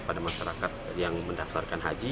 pada masyarakat yang mendaftarkan haji